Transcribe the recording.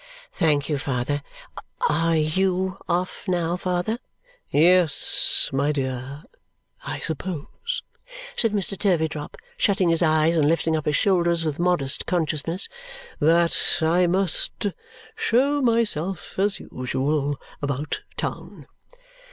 "Thank you, father. Are YOU off now, father?" "Yes, my dear. I suppose," said Mr. Turveydrop, shutting his eyes and lifting up his shoulders with modest consciousness, "that I must show myself, as usual, about town."